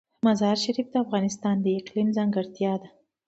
مزارشریف د افغانستان د اقلیم ځانګړتیا ده.